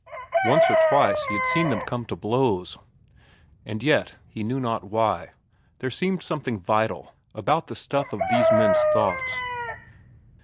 Once or twice he had seen them come to blows. And yet, he knew not why, there seemed something vital about the stuff of these men's thoughts.